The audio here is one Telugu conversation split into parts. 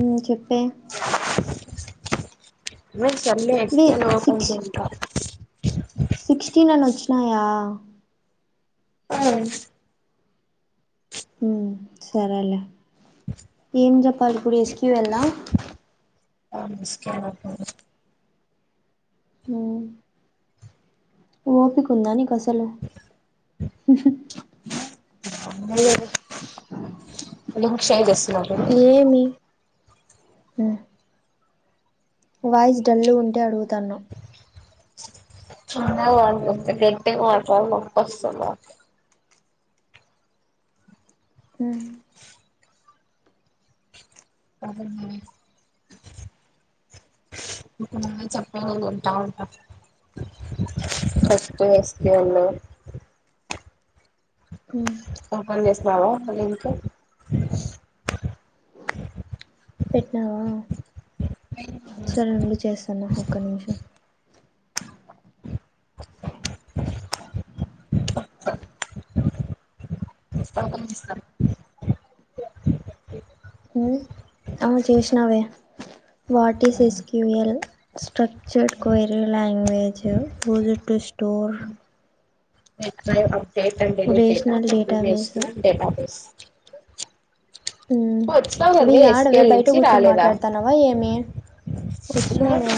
ఊమ్ చెప్పే వే సిక్స్ [unintelligible] సిక్స్టీన్ ననొచ్చినాయా ఊమ్ ఊ సరే లే ఏం జెప్పాలిప్పుడు ఎస్ క్యూ ఎల్ ఆ [unintelligible] ఊ ఓపికుందా నీకసలు [unintelligible] లింక్ షేర్ చేస్తున్నా చూడు ఏమీ ఊ వాయిస్ డల్లుగుంటే అడుగుతాన్న చిన్నగ మాట్లాడతా గట్టిగ మాట్లాడి నొప్పొస్తాందా ఉ అవున ఓకె నువ్వే చెప్పు వింటా ఉంటా ఫస్ట్ ఎస్ క్యూ ఎల్ మ్మ్ ఓపెన్ చేసినావ లింక్ పెట్నవా సరే ఉండు చేస్తను ఒక్క నిమిషం పంపించిన ఆ చేసినా వే what is S Q L structured query language use it to store [inaudible] update and delete data rational D B S database database మ్మ్ నువ్వు వచ్చినావు వే కదవే యాడ వే ఎస్క్యూఎల్ బయట నుంచి కూర్చుని రాలేదా మాట్లాడతానవా ఏమి కూచున్న వే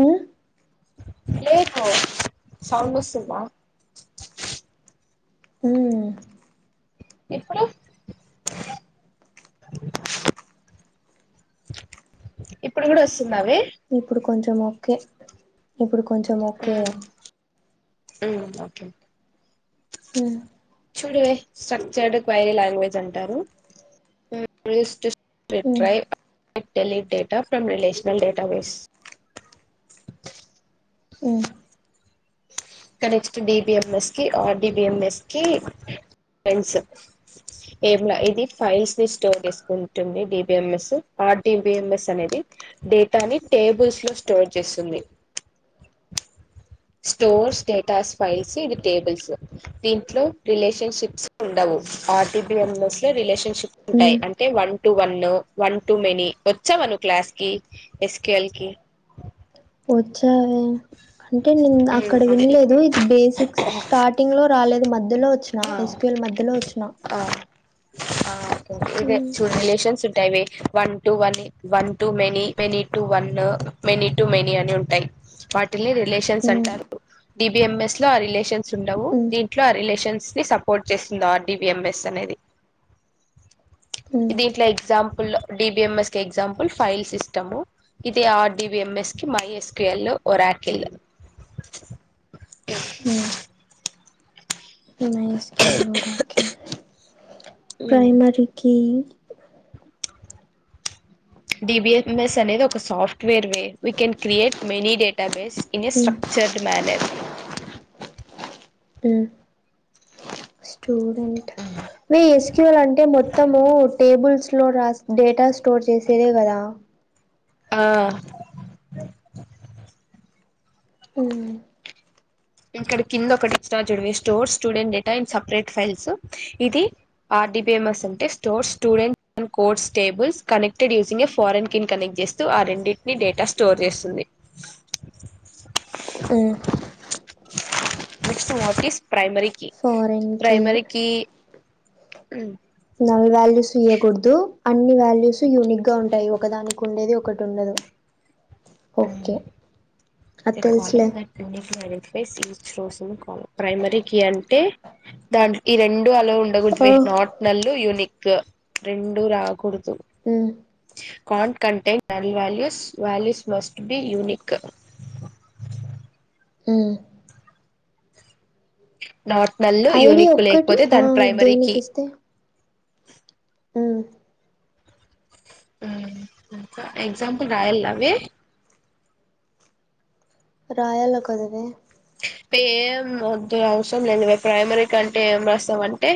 మ్మ్ పెట్టుకో సౌండ్ వస్తుందా మ్మ్ ఎప్పుడు ఇప్పుడు కూడా వస్తుంద వే ఇప్పుడు కొంచెం ఓకె ఇప్పుడు కొంచెం ఒకే మ్మ్ ఓకే ఉమ్ చూ వే స్ట్రక్చర్డ్ క్వైరీ లాంగ్వేజ్ అంటారు మ్మ్ [inaudible] VIT um drive delete data from relational database మ్మ్ ఇంక next D B M S కి R D B M S కి ఫెండ్స్ ఇట్ ఏం ల్యా ఇది ఫైల్స్ ని స్టోర్ చేసుకుంటుంది D B M S R D B M S అనేది డేటాని టేబుల్స్ లో స్టోర్ చేస్తుంది స్టోర్స్ డేటాస్ ఫైల్స్ ఇది టేబుల్స్ దీంట్లో రిలేషన్షిప్స్ ఉండవు ఆర్టీబిఎంఎస్ లో రిలేషన్ షిప్ ఉమ్ ఉంటాయి అంటే one to one one to many వచ్చావా నువ్వు క్లాస్ కి ఎస్ క్యూ ఎల్ కి వచ్చా అంటే నేను అక్కడ అదే వినలేదు బేసిక్స్ స్టార్టింగ్ లో రాలేదు మధ్యలో వచ్చినా ఆ ఎస్ క్యు ఎల్ మధ్యలో వచ్చిన ఆ ఆ ఓకే ఇదే ఉమ్ టూ రిలేషన్స్ ఉంటాయి ఇవి one to one one to many many to one many to many అని ఉంటాయి వాటిని రిలేషన్స్ ఉమ్ అంటారు డి బి ఎం ఎస్ లో ఆ రిలేషన్ న్స్ ఉండవు ఉమ్ దీంట్లో ఆ రిలేషన్స్ ని సపోర్ట్ చేస్తుంది R D B M S అనేది ఉమ్ దీంట్లో example D B M S కి ఎగ్జాంపుల్ ఫైల్ సిస్టము ఇది R D B M S కి my S Q L Oracle my S Q L Oracle primary కి డి బి ఎం ఎస్ అనేది ఒక software way we can create many database ఇది ఉమ్ స్ట్రక్చర్డ్ మనర్ మ్మ్ స్టూడెంట్ వే ఎస్ క్యు ఎల్ అంటే మొత్తము టేబుల్స్ లో రాస్ డేటా స్టోర్ చేసేదే గదా ఆ మ్ ఇక్కడ కింద ఒకటి ఇచ్చిన చుడవే store student data in separate files ఇది ఆర్డీబిఎంఎస్ అంటేటోర్ student codes tables connected using foreign connect చేస్ తో ఆ రెండింటిని డేటా స్టోర్ చేస్తుంది మ్ నెక్స్ట్ వీటి ఇస్ ప్రైమరికి ఫారెన్ కి ప్రైమరకి మ్ నల్ వాల్యూస్ ఇయ్యకూడదు అన్ని వాల్యూస్ యూనిక్ గా ఉంటాయి ఒకదానికి ఉండేది ఒకటి ఉండదు [unintelligible] ఓకే అది అన్ని తెలుసులే [unintelligible] కాల్ ప్రైమరీకి అంటే దాంట్ ఈ రెండు అలో ఉండకూడదు ఓ వే నాట్ నల్లు యూనిక్ రెండు రాకూడదు మ్మ్ can't contain null values values must be unique um not null ID unique ఒక్కటి లేకపోతే ఆ దాని ప్రైమరీకి దేనికి మ్ మ్ ఎగ్జాంపుల్ రాయల్లా అవి రాయల కొదవే పేం వద్దు అవసరం లేదులె ప్రైమరీ కంటే ఏం రాస్తాం అంటే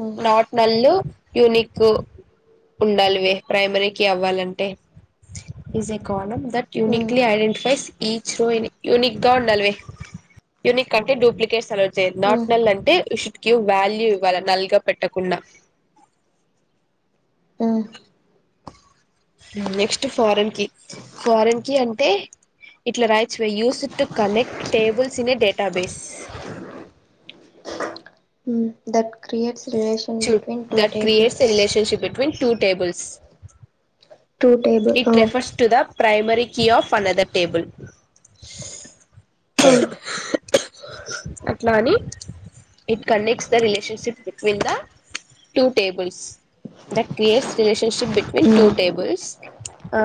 మ్మ్ నాట్ నల్లు యూనిక్ ఉండాలివే ప్రైమరీకి అవ్వాలంటే is a column that hmm uniquely identifies each row unique గా ఉండాలీవే యూనిక్ అంటే డూప్లికేట్స్ అలో చేయరు నాట్ మ్మ్ నల్ అంటే యూషుడ్ వాల్యూ ఇవ్వాల నల్గా పెట్టకుండా ఆ నెక్స్ట్ ఫారెన్ కి ఫారెన్ కి అంటే ఇట్ల రాయొచ్చు why use it to connect tables in a database hmm that creates relation చూడ్ between two that creates tables a relationship between two tables two table ఆ it refers to the primary key of another table ఆ అట్లా అని it connects the relationship between the two tables that creates relationship between uh two tables ఆ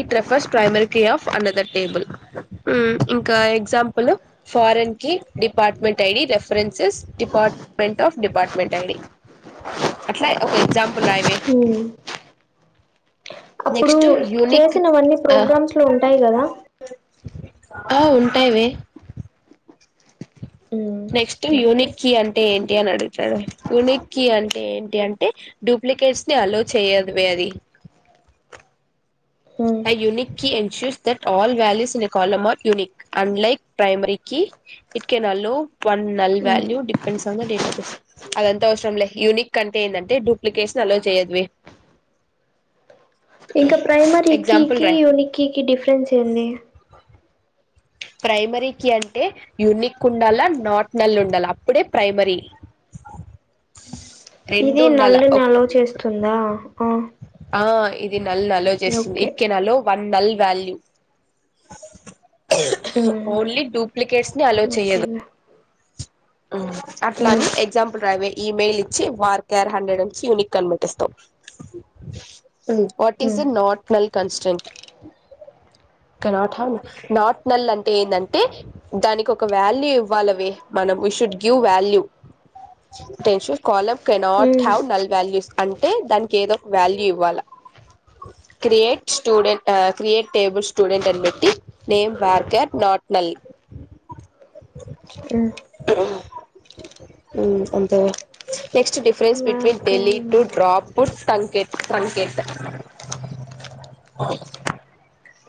it refers primary key of another table మ్ ఇంకా ఎగ్జాంపుల్ ఫారెన్ కి department ID references department of department ID అట్లా ఒక ఎగ్జాంపుల్ రాయవే మ్ నెక్స్ట్ యూనిక్ చేసినవన్నీ ఆ ప్రోగ్రామ్స్ లో ఉంటాయి కదా ఆ ఉంటాయివే మ్ నెక్స్ట్ యూనిక్ కీ అంటే ఏంటి అని అడుగుతాడు యూనిక్ కీ అంటే ఏంటి అంటే డూప్లికేట్స్ ని అలో చేయదువే అది um a unique key ensures that all values in a column are unique unlike ప్రైమరీకి it can నలో one null um value depends on the database అదంతా అవసరం లే యూనిక్ కంటే ఏంటంటే డూప్లికేట్స్ నీ అలో చేయదువే ఇంకా ప్రైమరీ ఎగ్జాంపుల్ కీకి రాయ్ యూని కీ కి డిఫరెన్స్ ఏంది ప్రైమరీకి అంటే యుూనిక్ ఉండాలా నాట్ నల్ ఉండాల అప్పుడే ప్రైమరీ ఇది రెండు ఉండాల నల్లు నీ ఆలో చేస్తుందా ఆ ఆ ఇది నల్ని అల్లో చేస్తుంది okay ఇటికెనెలో one null value um only duplicates ని అలో చేయదు ఓకేలే అట్ల ఉమ్ అని ఎగ్జాంపుల్ రాయివే ఇమెయిల్ ఇచ్చి వార్కర్ హండ్రెడ్ ఇచ్చి యూనిక్ అని పెట్టేస్తావ్ what is um a not null constant not null అంటే ఏందంటే దానికి ఒక వ్యాల్యూ ఇవ్వాలవే మనం we should give value దేషూల్డ్ column cannot um have null values అంటే దానికి ఏదో ఒక వ్యాల్యూ ఇవ్వాల create student create table student అని బట్టి name varchar not null um మ్మ్ అంతేవే next difference between okay delete అమ్మా డ్రాప్ పుట్ తంకేత్ ట్రంకేట్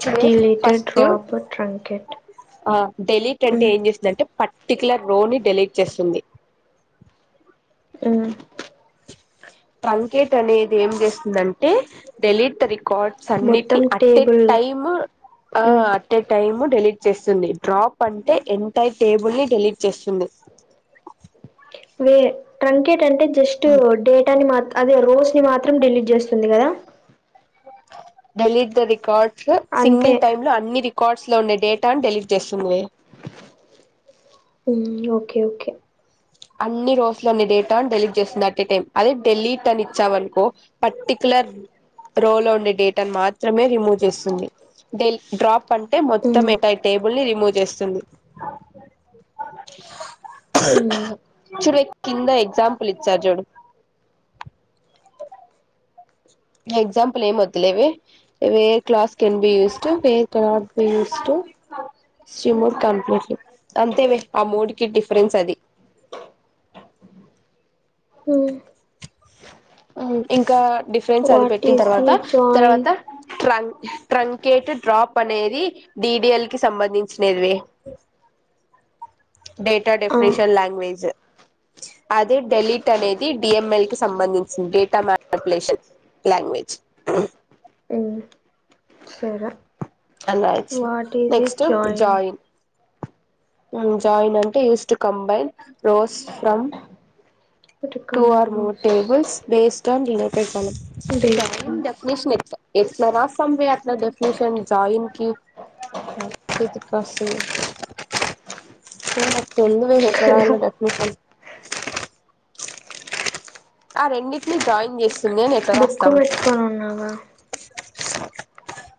చూడు డిలీటెడ్ ఫస్ట్ డ్రాప్ ట్రంకెట్ ఆ డెలీట్ అంటే ఉమ్ ఏం చేస్తుందంటే పర్టిక్యులర్ రో ని డెలీట్ చేస్తుంది మ్మ్ ట్రన్కేట్ అనేది ఏం చేస్తుందంటే డెలీట్ రి కాడ్స్ అన్నిటిని మొత్తం అట్ ఎ టేబుల్ టైమ్ ఆ um at a time delete చేస్తుంది డ్రాప్ అంటే ఎంటైర్ టేబుల్ ని డెలీట్ చేస్తుంది వే ట్రంకేట్ అంటే జస్ట్ డేటాని మా అదే రోస్ ని మాత్రం డిలీట్ చేస్తుంది కదా డెలీట్ ద రికార్డ్స్ అంతే సింగిల్ టైమ్ లో అన్ని రిక్ కార్ట్స్లో ఉండే డేటాను డెలిట్ చేస్తుంది వే మ్మ్ ఓకే ఓకే అన్ని రోస్ లో ఉండే డేటా ని డెలీట్ చేస్తుంది అట్ ఎ టైం అదే డెలీట్ అని ఇచ్చావనుకో పర్టికులర్ రోలో ఉండే డేటాని మాత్రమే రిమూవ్ చేస్తుంది డెలి డ్రాప్ పంటే మొత్తం మ్మ్ ఎంటైర్ టేబుల్ని రిమూవ్ చేస్తుంది మ్మ్ చూడు వె కింద ఎగ్జాంపుల్ ఇచ్చారు చూడు ఎగ్సాంపల్ ఏమొద్దులేవే where clause can be used where where cannot be used సి మూడ్ కంప్లీట్లీ అంతే వే ఆ మూడ్ కి డిఫరెన్స్ అది హ్మ్ ఇంకా డిఫరెన్స్ అది వాట్ పెట్టిన ఈస్ ది తర్వాత జాయిన్ తర్వాత ట్రం ట్రంకేట్ డ్రాప్ అనేది డిడిఎల్ కి సంబంధించినేది వే డేటా ఆ డెఫనేషన్ లాంగ్వేజ్ అదే డెలీట్ అనేది డి ఎం ఎల్ కి సంబంధించి డేటా మానిపులేషన్ లాంగ్వేజ్ అ సరే అనాయిచ్చినా what is a next join join అంటే use to combine rows from ఉటు two or more tables based on related ఫలం బేస్డ్ ట్రైం ఆన్ ద నిష్ నెప్ ఎట్లా రాస్తాం వే అట్లా డెఫినిషన్ జాయిన్ కి [unintelligible] తెల్దు వే ఎట్ల కదా రాయాలో డెఫినిషన్ ఆ రెండిటినీ జాయిన్ చేస్తుంది అని ఎట్ల బుక్ రాస్తాం పెట్టుకొని ఉన్నావా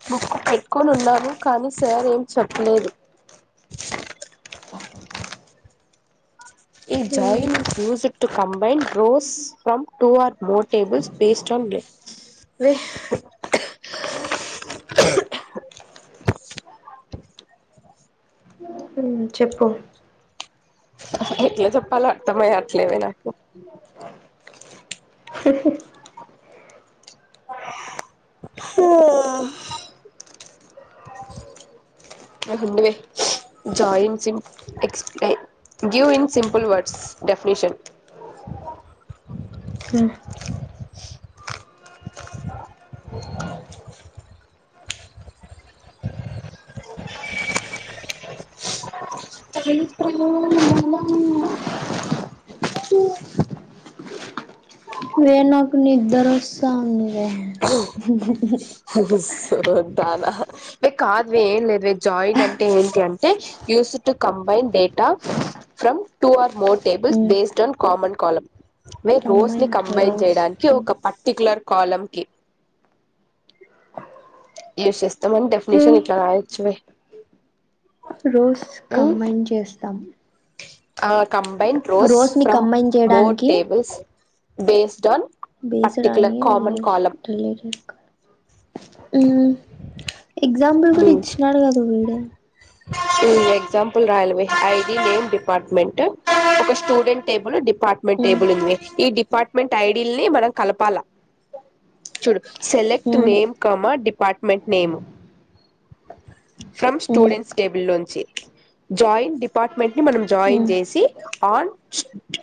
బుక్కు పెట్టుకొని ఉన్నాను కానీ సార్ ఏం చెప్పలేదు ఈ మ్మ్ join used to combine rows from two or more tables taste and వే ఉమ్ చెప్పు ఎట్ల చెప్పాల అర్తమే కావట్లేదే నాకు [inaudible] హా ఆ హుండవే joins in x ray give in simple words definition మ్మ్ [inaudible] అంతో బలం వే నాకు నిద్దరస్ తా ఉంది వే అయ్యో సోది దానా ఏ కాదు వే ఏం లేదు వే జాయిన్ అంటే ఏంటి అంటే use to combine data from two or more tables hmm based on common column వే రోస్ ని కంబైన్డ్ కంబైన్ రోస్ చేయడానికి ఫ్రమ్ ఒక పర్టిక్యులర్ కాలం కి యూజ్ చేస్తాం అని డెఫినీషన్ మ్మ్ ఇట్లా రాయొచ్చు వే రోస్ కంబైన్ చేస్తాం ఆ కంబైన్ రోస్ ని ఫ్రమ్ కంబైన్ మోర్ చేయడానికి tables based on particular common column టలరు కా [inaudible] ఊ ఎగ్సాంపుల్ కూడా ఇచ్చినాడు కదా వీడే ఊ ఎగ్సాంపుల్ రాయల వే ఐ డి నేమ్ డిపార్ట్మెంట్ ఒక student table department um table ఉంది వే ఈ డిపార్ట్మెంట్ ఐ డి ల్ని మనం కలపాల చూడు select um name comma department name from um students table లోంచి జాయిన్ డిపార్ట్మెంట్ ని మనం జాయిన్ ఉమ్ చేసి on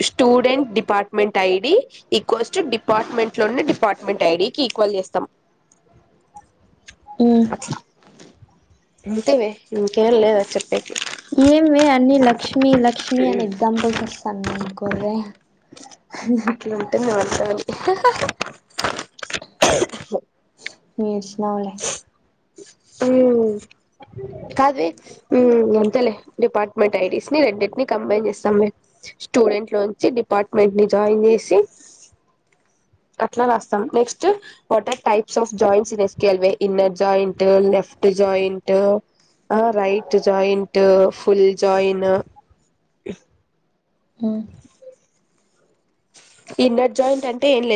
student department I D equals to department లోని డిపార్ట్మెంట్ ఐ డి కి ఈక్వల్ చేస్తాం ఊ అంతే వే ఇంకేం లేదా చెప్పేకి ఏమె అన్ని లక్ష్మి లక్ష్మి అని ఎగ్జాంపుల్స్ వస్తాన్నయి గుర్రా ధన్యవాదాలు ఏడ్సినావులే మ్మ్ కాదువె మ్మ్ అంతేలే డిపార్ట్మెంట్ ఐడిస్ ని రెండిటిని కంబైన్ చేస్తాములే స్టూడెంట్ లోంచి డిపార్ట్మెంట్ ని జాయిన్ చేసి అట్ల రాస్తాం next what are types of joints in a కెల్వే ఇన్నర్ జాయింట్ లెఫ్ట్ జాయింట్ ఆ రైట్ జాయింట్ ఫుల్ జాయిన్ మ్మ్ ఇన్నర్ జాయింట్ అంటే ఏం లేద్